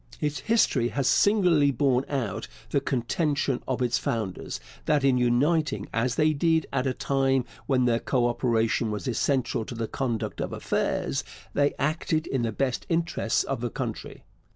Its history has singularly borne out the contention of its founders, that in uniting as they did at a time when their co operation was essential to the conduct of affairs, they acted in the best interests of the country.